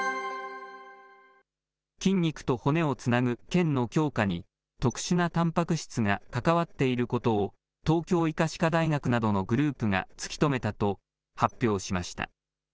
筋肉と骨をつなぐけんの強化に、特殊なたんぱく質が関わっていることを、東京医科歯科大学などのグループが突き止めたと発表しました。